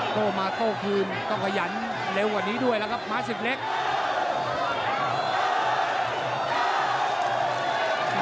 โทมาโทคืนโทมาโทคืน